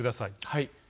はい。